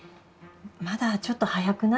まだちょっと早くない？